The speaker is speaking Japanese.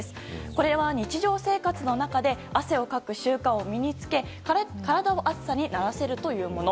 これは日常生活の中で汗をかく習慣を身に着け体を暑さに慣れさせるというもの。